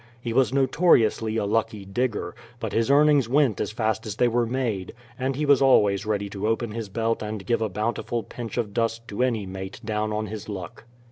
He was notoriously a lucky digger, but his earnings went as fast as they were made, and he was always ready to open his belt and give a bountiful pinch of dust to any mate down on his luck.